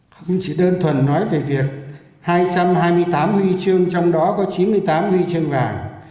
không chỉ đơn thuần nói về việc hai trăm hai mươi tám huy chương trong đó có chín mươi tám huy chương vàng